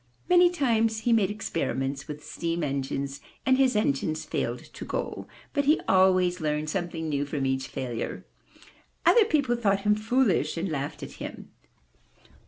Many times he made experiments with steam engines and his engines failed to go, but he always learned something new from each failure. Other people thought him foolish and laughed at him.